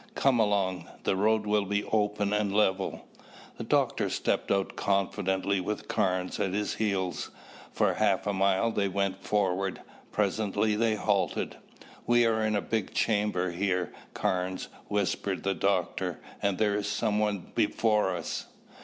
Come along, the road will be open and level." The doctor stepped out confidently with Carnes at his heels. For half a mile they went forward. Presently they halted. "We are in a big chamber here, Carnes," whispered the doctor, "and there is someone before us.